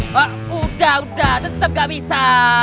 pak udah udah tetep gak bisa